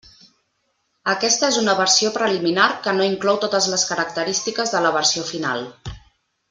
Aquesta és una versió preliminar que no inclou totes les característiques de la versió final.